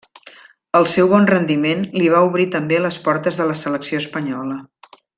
El seu bon rendiment li va obrir també les portes de la selecció espanyola.